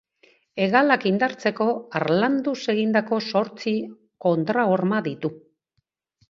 Hegalak indartzeko harlanduz egindako zortzi kontrahorma ditu.